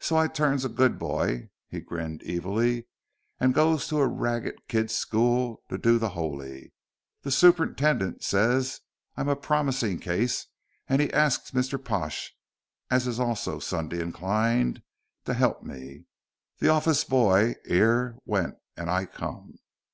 So I turns a good boy" he grinned evilly "and goes to a ragged kids' school to do the 'oly. The superintendent ses I'm a promising case, and he arsked Mr. Pash, as is also Sunday inclined, to 'elp me. The orfice boy 'ere went, and I come."